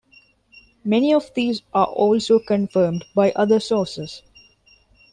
Many of these are also confirmed by other sources.